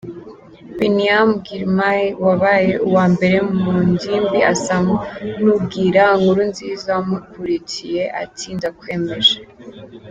Biniyam Ghirmay wabaye uwa mbere mu ngimbi asa n’ubwira Nkurunziza wamukurikiye ati, Ndakwemeje